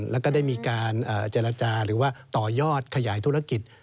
แล้วก็ได้มีการเจรจาหรือว่าต่อยอดขยายธุรกิจ